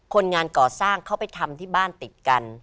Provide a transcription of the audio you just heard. คนงานก่อสร้างเขาไปทำที่บ้านติดกัน